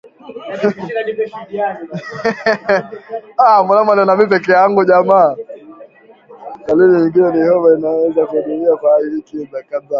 Dalili nyingine ni homa inayoweza kudumu kwa wiki kadhaa